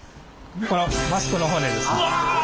このマスクの骨です。